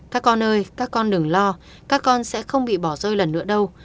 các con ơi các con đường lo các con sẽ không bị bỏ rơi lần nữa đâu